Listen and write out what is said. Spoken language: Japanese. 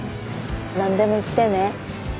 何でも言ってね。